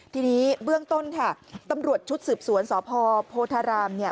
ทีนี้เบื้องต้นค่ะตำรวจชุดสืบสวนสพโพธารามเนี่ย